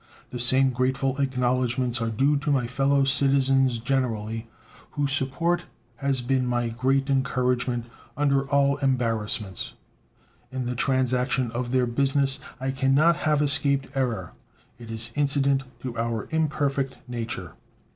These same grateful acknowledgements are due to my fellow citizens generally, whose support has been my great encouragement under all embarrassments. In the transaction of their business I can not have escaped error. It is incident to our imperfect nature.